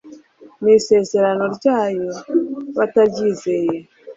n'isezerano ryayo bataryizeye